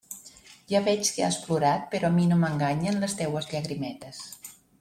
Ja veig que has plorat, però a mi no m'enganyen les teues llagrimetes.